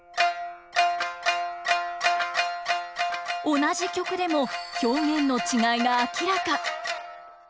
同じ曲でも表現の違いが明らか。